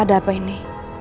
ada apa ini